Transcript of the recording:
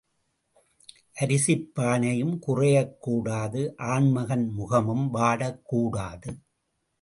அரிசிப் பானையும் குறையக் கூடாது ஆண்மகன் முகமும் வாடக் கூடாது.